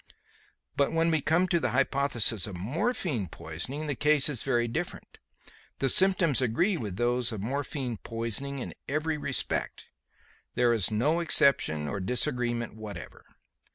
But when we come to the hypothesis of morphine poisoning, the case is different. The symptoms agree with those of morphine poisoning in every respect. There is no exception or disagreement whatever.